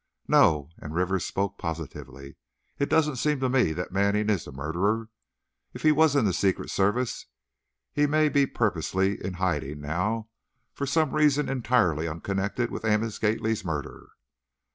"No," and Rivers spoke positively, "it doesn't seem to me that Manning is the murderer. If he was in the Secret Service, he may be purposely in hiding now, for some reason entirely unconnected with Amos Gately's murder."